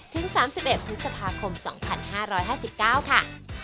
ถึง๓๑พฤษภาคม๒๕๕๙ค่ะ